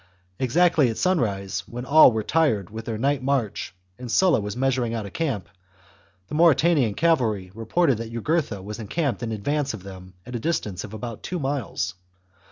Exactly at sunrise, when all were tired with their night march and Sulla was measuring out a camp, the Mauritanian cavalry reported that Jugurtha was encamped in advance of them at a distance of about two miles.